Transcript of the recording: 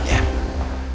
eh malah ngomong seenaknya